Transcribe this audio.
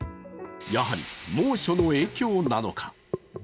やはり猛暑の影響なのか。